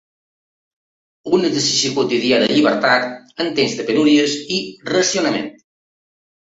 Un exercici quotidià de llibertat en temps de penúries i racionament.